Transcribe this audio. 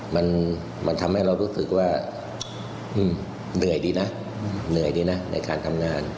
มันทำให้เรารู้สึกว่าเหนื่อยดีนะเหนื่อยดีนะในการทำงาน